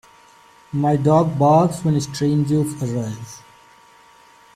My dog barks when strangers arrive.